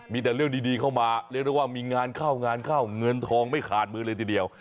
มีแต่เรื่องดีเข้ามาเรียกได้ว่ามีงานเข้างานเข้าเงินทองไม่ขาดมือเลยทีเดียว